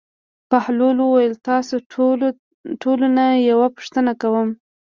بهلول وویل: تاسو ټولو نه یوه پوښتنه کوم.